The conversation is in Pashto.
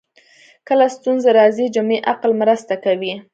کله ستونزې راځي جمعي عقل مرسته کوي